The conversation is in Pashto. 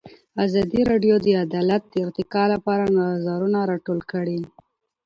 ازادي راډیو د عدالت د ارتقا لپاره نظرونه راټول کړي.